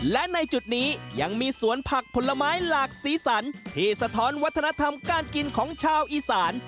และในจุดนี้ยังมีสวนผักผลไม้หลากสีสันที่สะท้อนวัฒนธรรมการกินของชาวอีสาน